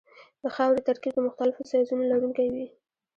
د خاورې ترکیب د مختلفو سایزونو لرونکی وي